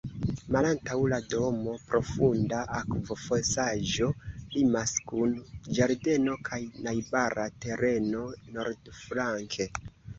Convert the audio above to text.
Malantaŭ la domo, profunda akvofosaĵo limas kun ĝardeno kaj najbara tereno nordflanke.